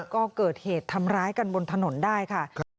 ก็เกิดเหตุทำร้ายกันบนถนนได้ค่ะ